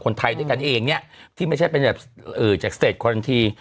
คนไทยด้วยกันเองเนี่ยที่ไม่ใช่เป็นแบบจากสเตจคอลันที